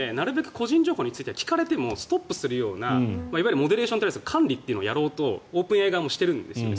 個人情報については聞かれてもストップするようないわゆるモデレーションという管理をやろうとオープンＡＩ側もしてるんですね。